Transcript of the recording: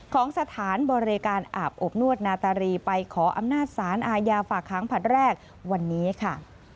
ของสถานบริการอาบอบนวดนาตารีไปขออำนาจสารอาญาฝากค้างผลัดแรกวันนี้ค่ะ